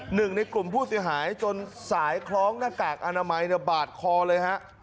หนึ่งในกลุ่มผู้เสียหายจนสายคล้องหน้ากากอนามัยบาดคอเลยฮะ